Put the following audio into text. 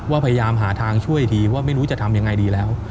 พยายามหาทางช่วยทีว่าไม่รู้จะทำยังไงดีแล้ว